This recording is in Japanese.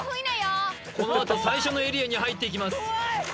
このあと最初のエリアに入っていきます